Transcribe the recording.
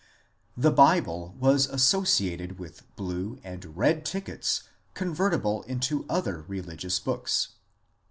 The Bible was associated with blue and red tickets convert ible into other religious books.